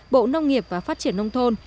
bộ nông nghiệp và phát triển nông thôn